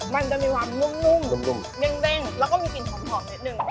มันจะมีความนุ่มเด้งแล้วก็มีกลิ่นหอมนิดนึง